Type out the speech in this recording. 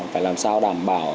phải làm sao đảm bảo